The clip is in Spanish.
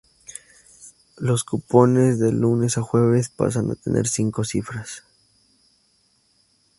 Los cupones del lunes a jueves pasan a tener cinco cifras.